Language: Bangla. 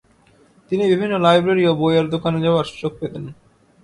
তিনি বিভিন্ন লাইব্রেরি ও বইয়ের দোকানে যাওয়ার সুযোগ পেতেন।